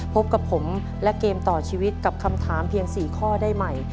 พบกับผมและเกมต่อชีวิตกับคำถามเพียง๔ข้อได้ใหม่